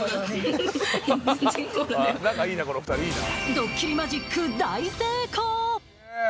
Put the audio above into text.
ドッキリマジック大成功。